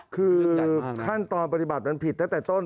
คือขั้นตอนปฏิบัติมันผิดตั้งแต่ต้น